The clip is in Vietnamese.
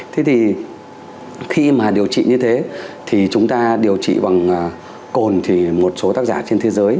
thế thì khi mà điều trị như thế thì chúng ta điều trị bằng cồn thì một số tác giả trên thế giới